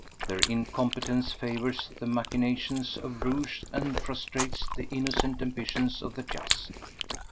Their incompetence favours the machinations of rogues and frustrates the innocent ambitions of the just.